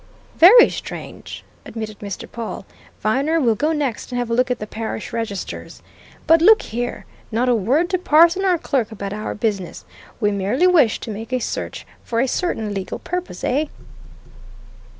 "Very strange!" admitted Mr. Pawle. "Viner we'll go next and have a look at the parish registers. But look here! Not a word to parson or clerk about our business! We merely wish to make search for a certain legal purpose, eh?"